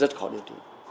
rất khó điều trị